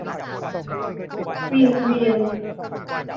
วิงเวียน